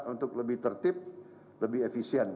untuk lebih tertib lebih efisien